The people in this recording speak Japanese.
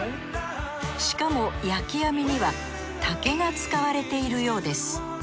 しかも焼き網には竹が使われているようです。